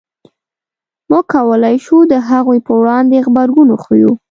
موږ کولای شو د هغوی په وړاندې غبرګون وښیو.